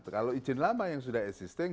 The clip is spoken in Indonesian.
kalau izin lama yang sudah existing